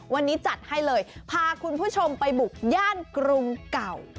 วันนี้จัดให้เลยพาคุณผู้ชมไปบุกย่านกรุงเก่า